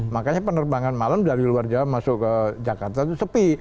makanya penerbangan malam dari luar jawa masuk ke jakarta itu sepi